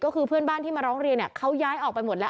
ก็คือเพื่อนบ้านที่มาร้องเรียนเขาย้ายออกไปหมดแล้ว